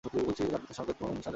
তার পিতা শওকত মোমেন শাহজাহান।